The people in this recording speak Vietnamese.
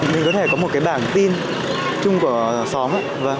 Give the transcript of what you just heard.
mình có thể có một cái bảng tin chung của xóm á